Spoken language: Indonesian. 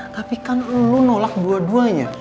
tapi kan lu nolak dua duanya